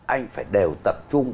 anh phải đều tập trung